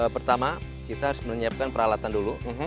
pertama kita harus menyiapkan peralatan dulu